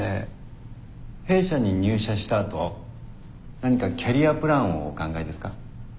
弊社に入社したあと何かキャリアプランをお考えですか？